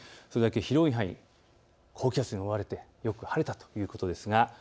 それだけ広い範囲が高気圧に覆われてよく晴れたということです。